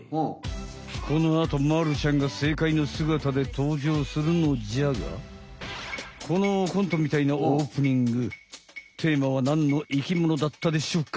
このあとまるちゃんが正解のすがたでとうじょうするのじゃがこのコントみたいなオープニングテーマは何の生きものだったでしょうか？